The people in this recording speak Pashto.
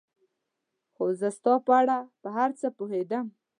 خو زه ستا په اړه په هر څه پوهېدم.